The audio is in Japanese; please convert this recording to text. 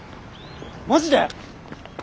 マジで？